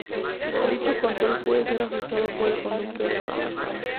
Dicho control puede ser ajustado por el conductor.